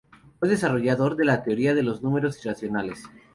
Fue desarrollador de la teoría de los números irracionales.